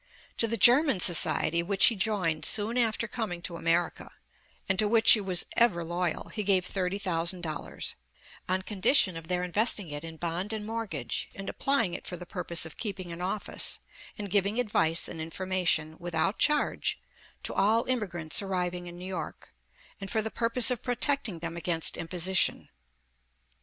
To the German Society, which he joined soon after coming to America, and to which he was ever loyal, he gave thirty 303 The Original John Jacob Astor thousand dollars, *'on condition of their investing it in bond and mortgage, and applying it for the purpose of keeping an office, and giving advice and information, without charge, to all immigrants arriving in New York, and for the purpose of protecting them against imposition.''